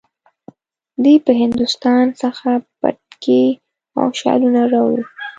دی به د هندوستان څخه بتکۍ او شالونه راوړي.